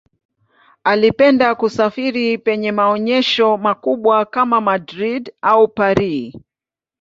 Alipenda kusafiri penye maonyesho makubwa kama Madrid au Paris.